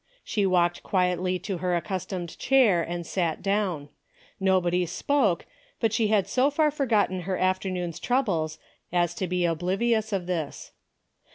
She walked quietly to her accustomed chair and sat down. Xobody spoke, but she had so far forgotten her after noon's troubles as to be oblivious of this.